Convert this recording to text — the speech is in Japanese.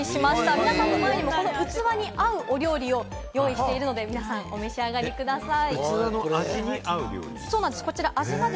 皆さんの前にも、この器にあるお料理を用意しているので皆さん、お召し上がりください。